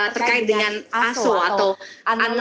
terkait dengan aso atau terkait dengan aso atau